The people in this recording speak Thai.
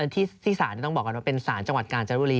ที่ศาลต้องบอกก่อนว่าเป็นศาลจังหวัดกาญจนบุรี